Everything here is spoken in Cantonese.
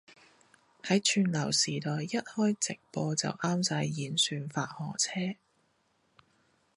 喺串流時代一開直播就啱晒演算法合尺